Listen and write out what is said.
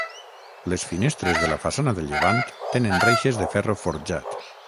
Les finestres de la façana de llevant tenen reixes de ferro forjat.